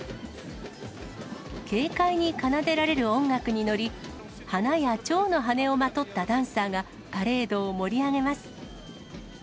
軽快に奏でられる音楽に乗り、花やちょうの羽をまとったダンサーが、パレードを盛り上げます。